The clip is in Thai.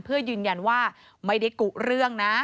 เพื่อยืนยันว่าไม่ได้กุเรื่องนะ